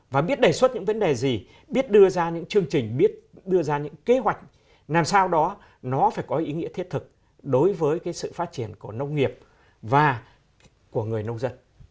và biết đề xuất những vấn đề gì biết đưa ra những chương trình biết đưa ra những kế hoạch làm sao đó nó phải có ý nghĩa thiết thực đối với sự phát triển của nông nghiệp và của người nông dân